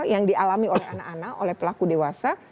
yang dialami oleh anak anak oleh pelaku dewasa